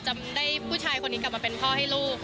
จำได้ผู้ชายคนนี้กลับมาเป็นพ่อให้ลูก